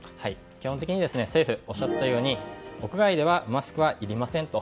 基本的には政府おっしゃったように屋外ではマスクはいりませんと。